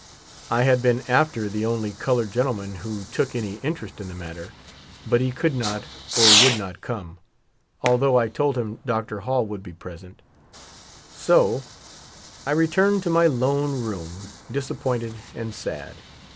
I had been after the only colored gentleman who took any interest in the matter, but he could not or would not come, although I told him Dr. Hall would be present ; so I returned to raj^ lone room disappointed and sad.